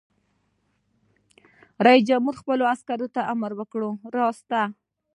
رئیس جمهور خپلو عسکرو ته امر وکړ؛ راست!